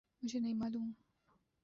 مجھے نہیں معلوم۔